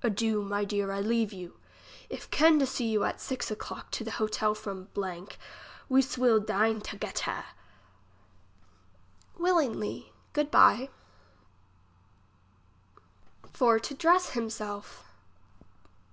Adieu, my deer, I leave you. If can to see you at six clock to the hotel from , we swill dine togetter. Willingly. Good by. For to dress him self.